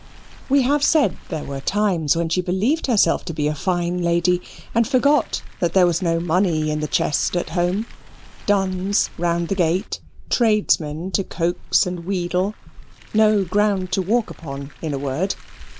We have said, there were times when she believed herself to be a fine lady and forgot that there was no money in the chest at home duns round the gate, tradesmen to coax and wheedle no ground to walk upon, in a word.